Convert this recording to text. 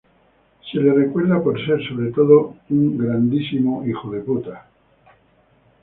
Se le recuerda por ser, sobre todo, un grandísimo tirador.